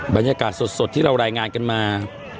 บรรยากาศสดที่เรารายงานกันมา